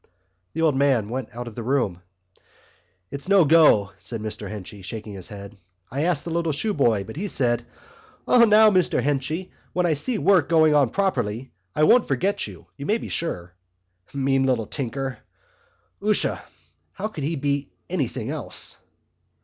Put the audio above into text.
The old man went out of the room. "It's no go," said Mr Henchy, shaking his head. "I asked the little shoeboy, but he said: 'Oh, now, Mr Henchy, when I see the work going on properly I won't forget you, you may be sure.' Mean little tinker! 'Usha, how could he be anything else?"